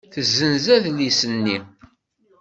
Tessenz adlis-nni.